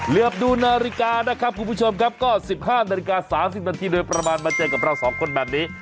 เหลือบดูนาฬิกานะครับคุณผู้ชมครับก็๑๕นาฬิกา๓๐นาทีโดยประมาณมาเจอกับเราสองคนแบบนี้